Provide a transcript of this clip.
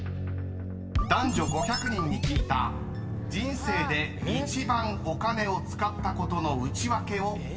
［男女５００人に聞いた人生で一番お金を使ったことのウチワケを答えろ］